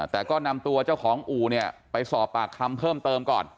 แต่ก็นำตัวเจ้าของอู่เนี่ยไปสอบปากคำเพิ่มเติมก่อน